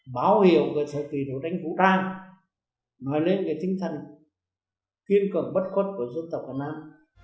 báo hiệu và sở kỳ đấu tranh vũ trang nói lên về tinh thần kiên cường bất khuất của dân tộc hà nam